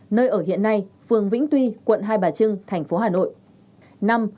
nơi ở hiện nay phường vĩnh tuy quận hai bà trưng tp hcm